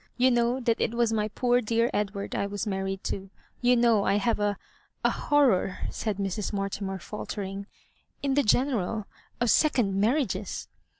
You . know that it was my poor dear Edward I was married to ; you know I have a * a horror," said Mra Mortimer, faltering, " in the general— of second marriages."